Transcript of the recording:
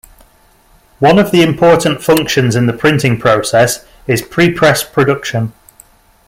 One of the important functions in the printing process is prepress production.